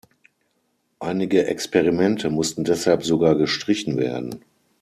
Einige Experimente mussten deshalb sogar gestrichen werden.